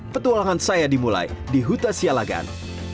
petualangan saya dimulai di huta sialagan